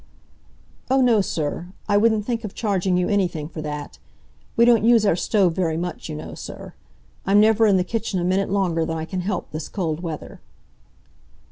"Oh, no, sir, I wouldn't think of charging you anything for that. We don't use our stove very much, you know, sir. I'm never in the kitchen a minute longer than I can help this cold weather."